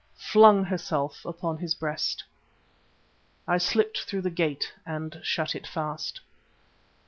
_" flung herself upon his breast. I slipped through the gate and shut it fast.